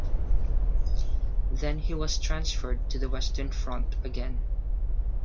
Then he was transferred to the Western Front again.